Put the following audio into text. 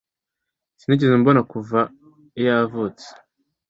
Sinigeze mbona kuva yavutse